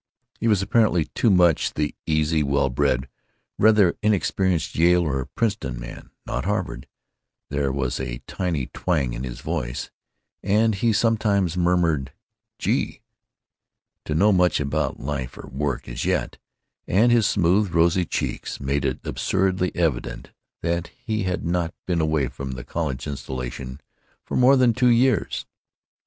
He was apparently too much the easy, well bred, rather inexperienced Yale or Princeton man (not Harvard; there was a tiny twang in his voice, and he sometimes murmured "Gee!") to know much about life or work, as yet, and his smooth, rosy cheeks made it absurdly evident that he had not been away from the college insulation for more than two years.